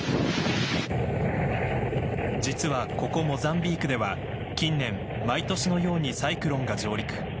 実はここ、モザンビークでは近年毎年のようにサイクロンが上陸。